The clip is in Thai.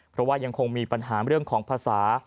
เพราะว่ายังคงมีปัญหาเรื่องของภาษา